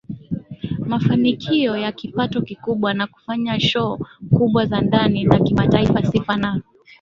mafanikio ya kipato kikubwa na kufanya shoo kubwa za ndani na kimataifa Sifa na